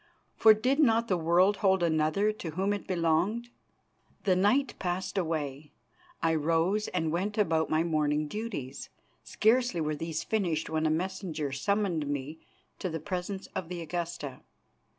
For did not the world hold another to whom it belonged? The night passed away. I rose and went about my morning duties. Scarcely were these finished when a messenger summoned me to the presence of the Augusta.